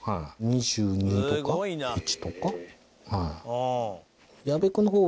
２２とか２１とかはい。